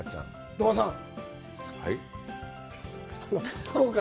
鳥羽さん。